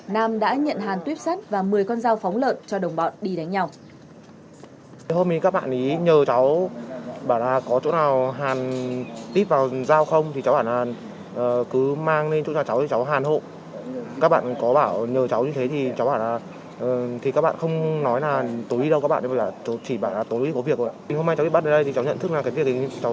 nam đã nhận hàn tuyếp sắt và một mươi con dao phóng lợn cho đồng bọn đi đánh nhau